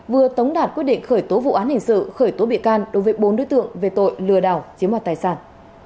vừa tống đạt quyết định khởi tố vụ án hình sự khởi tố bị can đối với bốn đối tượng về tội lừa đảo chiếm hoạt tài sản